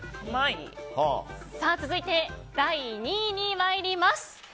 続いて第２位に参ります。